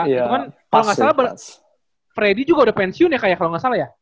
itu kan kalo gak salah freddy juga udah pensiun ya kayaknya kalo gak salah ya